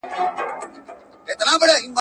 دیدن په لک روپۍ ارزان دی.